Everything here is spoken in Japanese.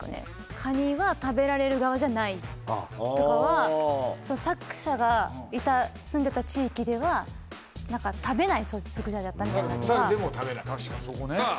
カニは食べられる側じゃないとかは作者がいた住んでた地域では食べない食材だったみたいなサルでも食べない